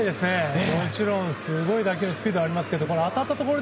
すごい打球スピードありますけど当たったところ